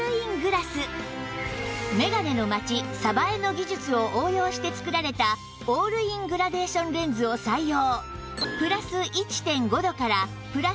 「めがねのまちさばえ」の技術を応用して作られたオールイングラデーションレンズを採用